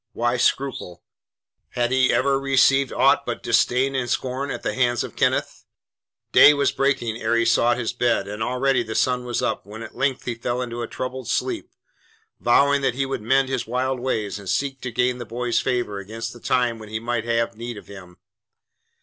Why scruple? Had he ever received aught but disdain and scorn at the hands of Kenneth. Day was breaking ere he sought his bed, and already the sun was up when at length he fell into a troubled sleep, vowing that he would mend his wild ways and seek to gain the boy's favour against the time when he might have need of him.